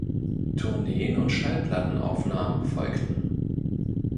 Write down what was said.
Tourneen und Schallplattenaufnahmen folgten.